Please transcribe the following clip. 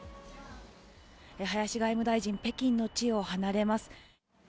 林外務大臣、北京の地を離れます。